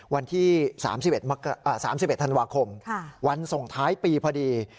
วันที่๓๑ธันวาคมวันส่งท้ายปีพอดี